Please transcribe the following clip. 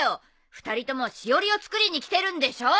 ２人ともしおりを作りに来てるんでしょ！